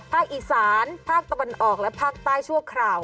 ภาคอีสานภาคตะวันออกและภาคใต้ชั่วคราว